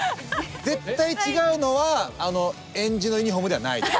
絶対違うのはあのえんじのユニフォームではないです。